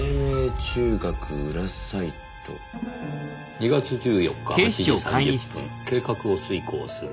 「２月１４日８時３０分計画を遂行する」